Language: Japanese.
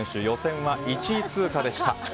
予選は１位通過でした。